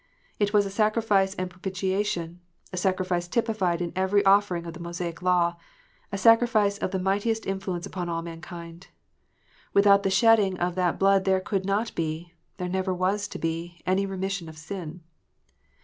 It was a sacrifice and propitiation; a sacrifice typified in every offering of the Mosaic law, a sacrifice of the mightiest influence upon all mankind. Without the shedding of that blood there could not be there never was to be^ any remission of sin.